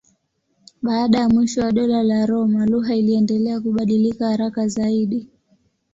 Baada ya mwisho wa Dola la Roma lugha iliendelea kubadilika haraka zaidi.